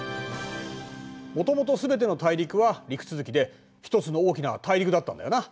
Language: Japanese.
もともとすべての大陸は陸続きで一つの大きな大陸だったんだよな。